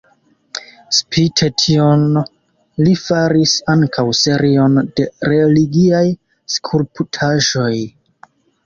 Spite tion, li faris ankaŭ serion de religiaj skulptaĵoj.